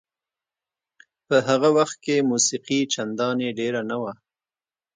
په هغه وخت کې موسیقي چندانې ډېره نه وه.